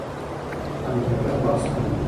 کمپيوټر وخت سپموي.